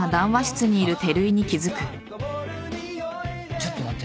ちょっと待ってて。